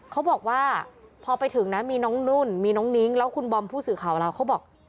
เขาบอกว่าพอไปถึงนะมีน้องนุ่นมีน้องนิ้งแล้วคุณบอมผู้สื่อข่าวเราเขาบอก